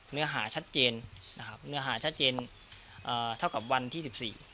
เนื้อหาชัดเจนนะครับเนื้อหาชัดเจนเอ่อเท่ากับวันที่สิบสี่